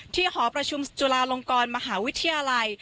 หอประชุมจุฬาลงกรมหาวิทยาลัย